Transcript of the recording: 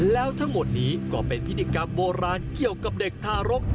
แล้วทั้งหมดนี้ก็เป็นพิธีกรรมโบราณเกี่ยวกับเด็กทารก